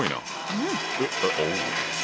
うん。